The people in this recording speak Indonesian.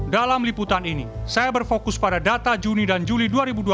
dalam liputan ini saya berfokus pada data juni dan juli dua ribu dua puluh